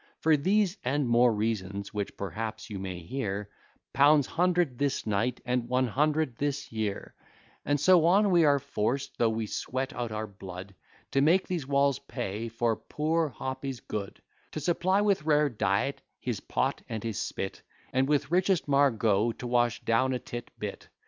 For these, and more reasons, which perhaps you may hear, Pounds hundred this night, and one hundred this year, And so on we are forced, though we sweat out our blood, To make these walls pay for poor Hoppy's good; To supply with rare diet his pot and his spit; And with richest Margoux to wash down a tit bit.